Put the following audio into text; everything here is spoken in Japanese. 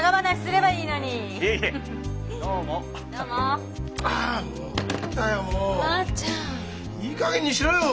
いいかげんにしろよ。